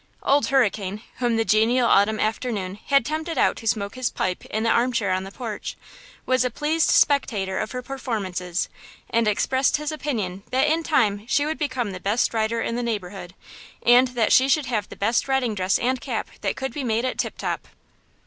Old Hurricane, whom the genial autumn afternoon had tempted out to smoke his pipe in his armchair on the porch, was a pleased spectator of her performances, and expressed his opinion that in time she would become the best rider in the neighborhood, and that she should have the best riding dress and cap that could be made at Tip Top.